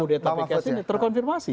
kudeta pks ini terkonfirmasi